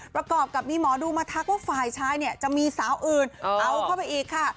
ประกอบกับมีหมอดูมาทักว่าฝ่ายชายเนี่ยจะมีสาวอื่นเอาเข้าไปอีกค่ะ